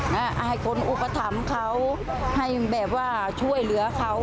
ให้คนอุปถัมภ์เขาให้แบบว่าช่วยเหลือเขา